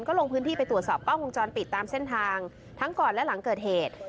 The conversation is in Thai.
ก็ลงพื้นที่ไปตรวจสอบกล้องวงจรปิดตามเส้นทางทั้งก่อนและหลังเกิดเหตุ